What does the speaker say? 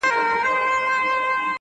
پلار یې وکړه ورته ډېر نصیحتونه.